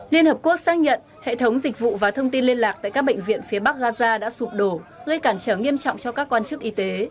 liên hợp quốc xác nhận hệ thống dịch vụ và thông tin liên lạc tại các bệnh viện phía bắc gaza đã sụp đổ gây cản trở nghiêm trọng cho các quan chức y tế